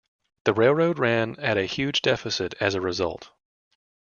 The railroad ran at a huge deficit as a result.